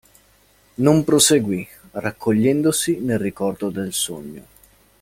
Non proseguì, raccogliendosi nel ricordo del sogno;